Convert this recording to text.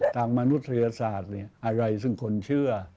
มนุษยศาสตร์อะไรซึ่งคนเชื่อ